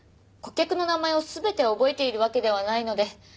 顧客の名前を全て覚えているわけではないので。